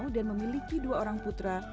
dan memiliki dua orang putra